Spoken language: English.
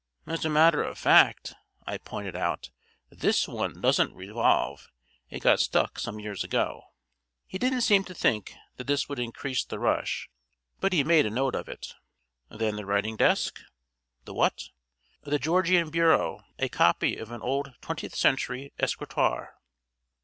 "As a matter of fact," I pointed out, "this one doesn't revolve. It got stuck some years ago." He didn't seem to think that this would increase the rush, but he made a note of it. "Then the writing desk." "The what?" "The Georgian bureau. A copy of an old twentieth century escritoire."